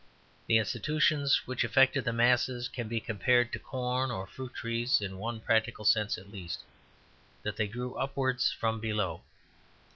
The institutions which affected the masses can be compared to corn or fruit trees in one practical sense at least, that they grew upwards from below.